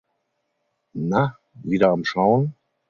Na, wieder am schauen?